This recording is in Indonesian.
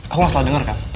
aku gak salah denger kan